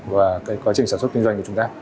và cái quá trình sản xuất kinh doanh của chúng ta